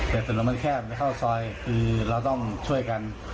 แต่ถนนมันแคบเข้าซอยคือเราต้องช่วยกัน